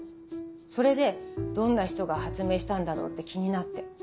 それでどんな人が発明したんだろうって気になって。